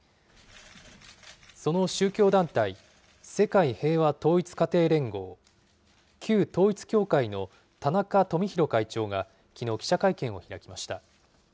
その宗教団体、世界平和統一家庭連合、旧統一教会の田中富広会長がきのう、記者会見を開きました。